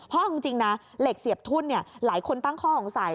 เพราะเอาจริงนะเหล็กเสียบทุ่นหลายคนตั้งข้อสงสัย